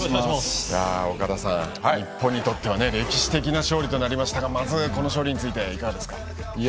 岡田さん、日本にとっては歴史的な勝利となりましたがまず、この勝利についていかがですか？